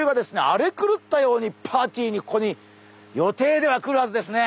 荒れ狂ったようにパーティーにここに予定では来るはずですね。